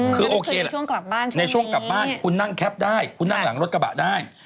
คือโอเคล่ะช่วงกลับบ้านคุณนั่งแคปได้คุณนั่งหลังรถกระบะได้